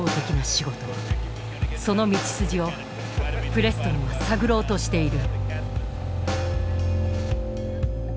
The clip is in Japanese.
その道筋をプレストンは探ろうとしている。